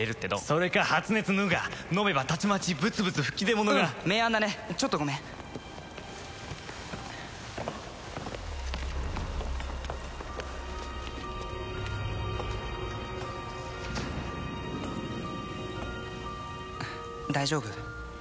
それか発熱ヌガー飲めばたちまちブツブツ吹き出物がうん名案だねちょっとごめん大丈夫？